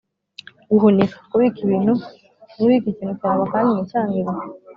guhunika: kubika ikintu kikaramba kandi nticyangirike